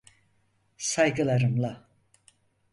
Saygılarımla.